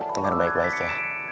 dengar baik baik ya